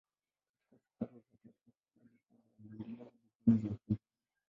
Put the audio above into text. Katika safari za tatu hadi saba aliendelea hadi pwani za Afrika.